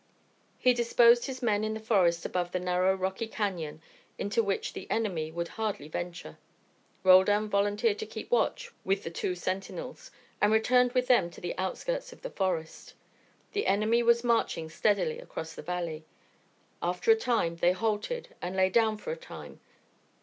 He disposed his men in the forest above a narrow, rocky canon into which the enemy would hardly venture. Roldan volunteered to keep watch with the two sentinels, and returned with them to the outskirts of the forest. The enemy was marching steadily across the valley. After a time they halted, and lay down for a time.